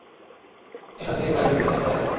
এখান থেকে বাড়ির ভেতরের খানিকটা দেখা যায়।